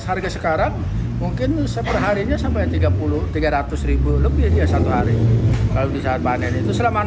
harga sekarang mungkin seberharinya sampai tiga puluh tiga ratus ribu lebih dia satu hari kalau bisa panen itu selama